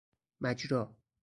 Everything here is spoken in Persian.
مجرا